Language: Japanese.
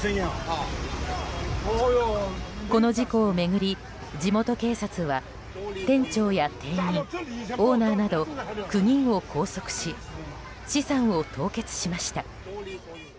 この事故を巡り、地元警察は店長や店員、オーナーなど９人を拘束し資産を凍結しました。